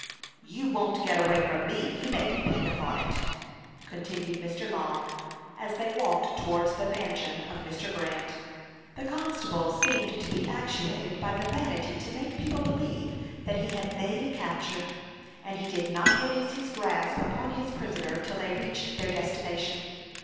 "You won't get away from me, you may depend upon it," continued Mr. Long, as they walked towards the mansion of Mr. Grant. The constable seemed to be actuated by the vanity to make people believe that he had made a capture, and he did not release his grasp upon his prisoner till they reached their destination.